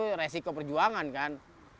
itu resiko perjuangan kan